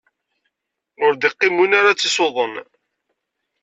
Ur d-iqqim win ar ad tt-isuḍen.